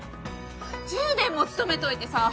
１０年も勤めといてさ